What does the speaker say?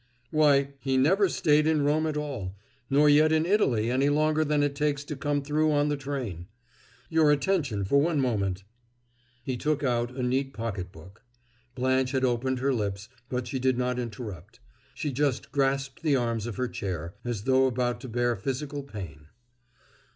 "Why, he never stayed in Rome at all, nor yet in Italy any longer than it takes to come through on the train. Your attention for one moment!" He took out a neat pocketbook. Blanche had opened her lips, but she did not interrupt; she just grasped the arms of her chair, as though about to bear physical pain.